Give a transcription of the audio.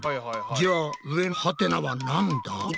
じゃあ上のハテナはなんだ？